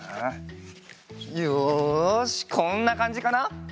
よしこんなかんじかな？